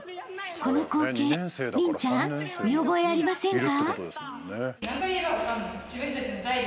［この光景麟ちゃん見覚えありませんか？］